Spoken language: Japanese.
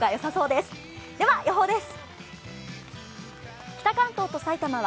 では予報です。